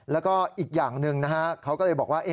แล้วก็อีกอย่างหนึ่งนะฮะเขาก็เลยบอกว่า